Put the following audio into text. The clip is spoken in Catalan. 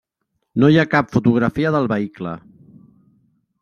No hi ha cap fotografia del vehicle.